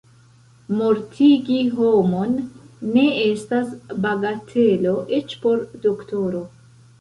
Mortigi homon ne estas bagatelo, eĉ por doktoro.